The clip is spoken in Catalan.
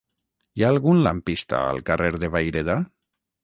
Hi ha algun lampista al carrer de Vayreda?